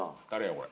これ。